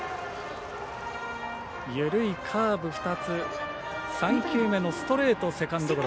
緩いカーブ２つ３球目のストレートセカンドゴロ。